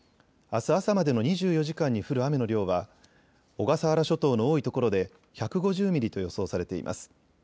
あす朝までの２４時間に降る雨の量は小笠原諸島の多いところで１５０ミリと予想されています。